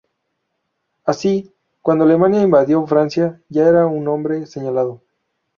Así, cuando Alemania invadió Francia ya era un hombre señalado.